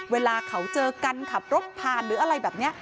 เวลาเขาเจอกันขับรถผ่านหรืออะไรแบบนี้